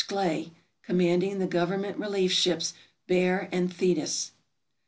Schley, commanding the government relief ships "Bear" and "Thetis."